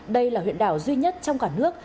đây là huyện đảo duy nhất trong cả nước